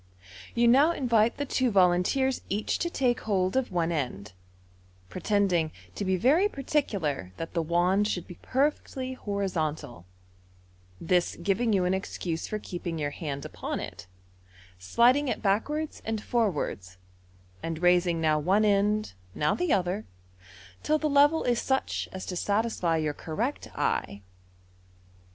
You now invite the two volunteers each to take hold of one end, pretending to be very particular that the wand should be perfectly horizontal, this giving you an excuse for keeping your hand upon it, sliding it backwards and forwards, and raising now one end, now the other, till the level is such as to satisfy your correct eye.